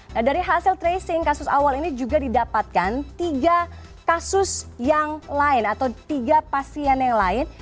nah dari hasil tracing kasus awal ini juga didapatkan tiga kasus yang lain atau tiga pasien yang lain